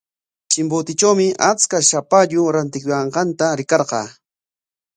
Chimbotetrawmi achka shapallu rantikuyanqanta rikarqaa.